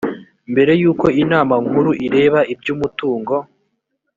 mbere y uko inama nkuru ireba iby umutungo